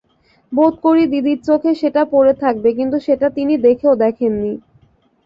বোধকরি দিদির চোখে সেটা পড়ে থাকবে, কিন্তু সেটা তিনি দেখেও দেখেন নি।